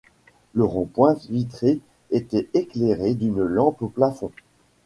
Le rond-point vitré était éclairé d’une lampe au plafond.